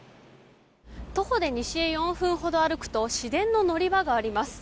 徒歩で西へ４分ほど歩くと市電の乗り場があります。